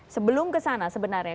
sebelum ke sana sebenarnya